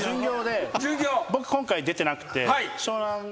僕今回出てなくて。